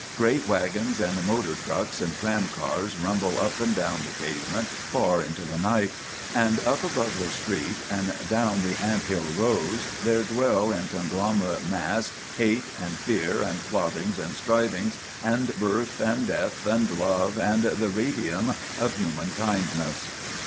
Great wagons and motor trucks and tram cars rumble up and down the pavement far into the night, and up above the street and down the ant hill rows there dwell in conglomerate mass hate and fear and plot Si 52 MAGINNIS tings and strivings and birth and death and love and the radium of human kindness.